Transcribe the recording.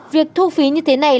việc thu phí như thế này